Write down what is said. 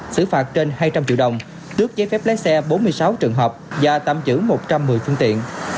xử phạt trên hai trăm linh triệu đồng tước giấy phép lái xe bốn mươi sáu trường hợp và tạm giữ một trăm một mươi phương tiện